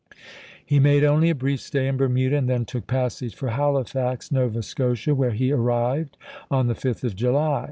He made only a brief stay in Bermuda, and then took passage for Halifax, Nova Scotia, Moore, where he arrived on the 5th of July.